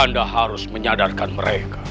kanda harus menyadarkan mereka